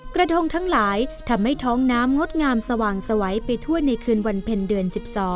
กระทงทั้งหลายทำให้ท้องน้ำงดงามสว่างสวัยไปทั่วในคืนวันเพ็ญเดือน๑๒